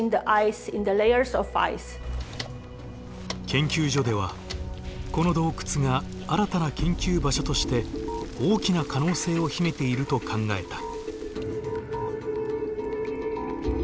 研究所ではこの洞窟が新たな研究場所として大きな可能性を秘めていると考えた。